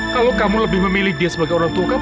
kalau kamu lebih memilih dia sebagai orang tua